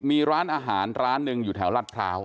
มีร้านอาหารร้านหนึ่งอยู่แถวรัฐพร้าว